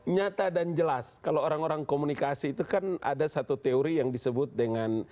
nyata dan jelas kalau orang orang komunikasi itu kan ada satu teori yang disebut dengan